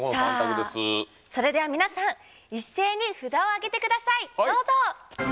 それでは皆さん一斉に札を上げてください！